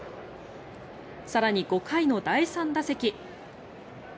更に、５回の第３打席。